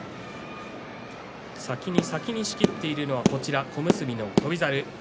先に仕切っているのは小結の翔猿です。